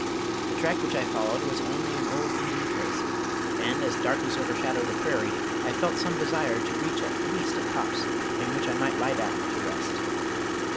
The track which I followed was only an old Indian trace; and, as darkness overshadowed the prairie, I felt some desire to reach at least a copse, in which I might lie down to rest.